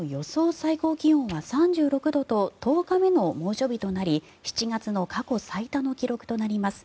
最高気温は３６度と１０日目の猛暑日となり７月の過去最多の記録となります。